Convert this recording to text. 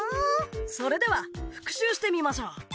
それでは復習してみましょう。